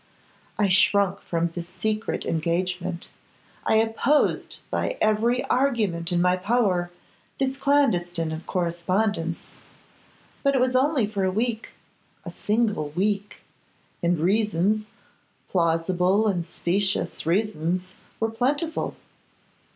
I shrunk from this secret engagement; I opposed by every argument in my power, this clandestine correspondence; but it was only for a week, a single week; and reasons, plausible and specious reasons, were plentiful.